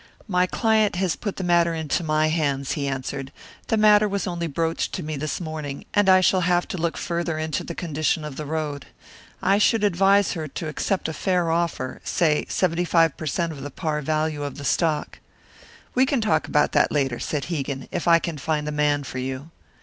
"My client has put the matter into my hands," he answered. "The matter was only broached to me this morning, and I shall have to look further into the condition of the road. I should advise her to accept a fair offer say seventy five per cent of the par value of the stock." "We can talk about that later," said Hegan, "if I can find the man for you."